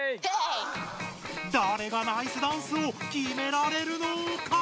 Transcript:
だれがナイスダンスをきめられるのか！？